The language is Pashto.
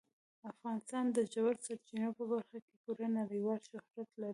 افغانستان د ژورو سرچینو په برخه کې پوره نړیوال شهرت لري.